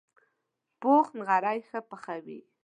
پوخ نغری ښه پخوي